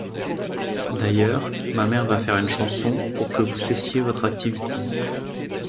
D'ailleurs ma mère va faire une chanson pour que vous cessiez votre activité.